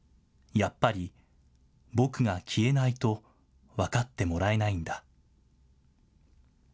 やっぱり僕が消えないと分かってもらえないんだ。